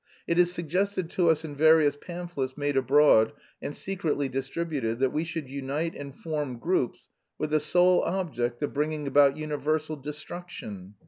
It is suggested to us in various pamphlets made abroad and secretly distributed that we should unite and form groups with the sole object of bringing about universal destruction.